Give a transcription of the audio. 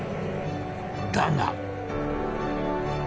だが。